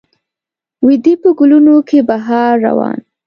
وي دې په ګلونو کې بهار روان